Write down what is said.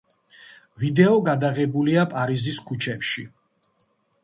ვიდეო გადაღებულია პარიზის ქუჩებში.